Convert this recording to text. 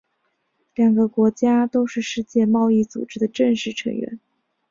两个国家都是世界贸易组织的正式成员。